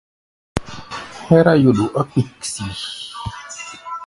Hɛ́rá yuɗu ɔ́ kpiksili.